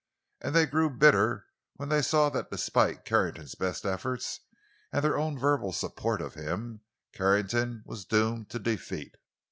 And they grew bitter when they saw that despite Carrington's best efforts, and their own verbal support of him, Carrington was doomed to defeat.